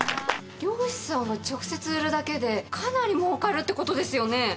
・漁師さんが直接売るだけでかなり儲かるってことですよね！